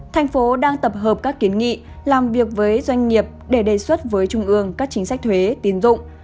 thành phố đang tập hợp các kiến nghị làm việc với doanh nghiệp để đề xuất với trung ương các chính sách thuế tín dụng